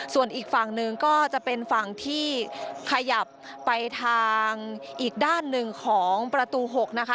ส่วนอีกฝั่งหนึ่งก็จะเป็นฝั่งที่ขยับไปทางอีกด้านหนึ่งของประตู๖นะคะ